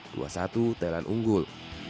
dua satu thailand unggul